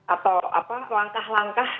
atau apa langkah langkah